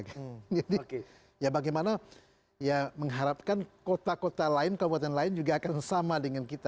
jadi ya bagaimana ya mengharapkan kota kota lain kabupaten lain juga akan sama dengan kita